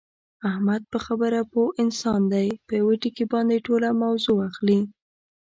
احمد په خبره پوه انسان دی، په یوه ټکي باندې ټوله موضع اخلي.